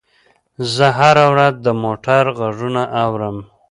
زه هره ورځ د موټر غږونه اورم.